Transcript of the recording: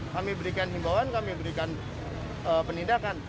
kami berikan himbauan kami berikan penindakan